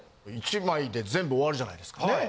１枚で全部終わるじゃないですか。ねぇ？